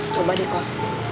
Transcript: coba deh kos